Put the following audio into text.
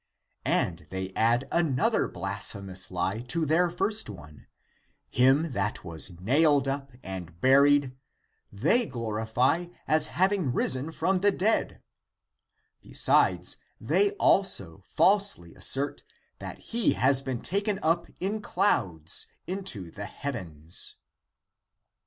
And they add another blasphemous lie to their first one : him that was nailed up and buried, they glorify as having risen from' the dead ; besides, they also falsely as 128 THE APOCRYPHAL ACTS sert that he has been taken up in clouds into the heavens," 4.